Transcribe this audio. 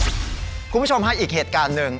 คุณผู้ชมฮะอีกเหตุการณ์หนึ่ง